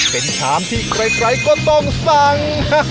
เป็นชามที่ใครก็ต้องสั่ง